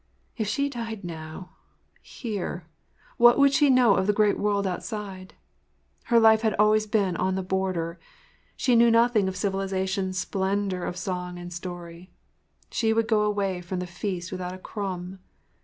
If she died now—here—what would she know of the great world outside? Her life had been always on the border—she knew nothing of civilization’s splendor of song and story. She would go away from the feast without a crumb.